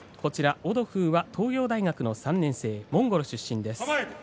オドフーは東洋大学の３年生モンゴル出身です。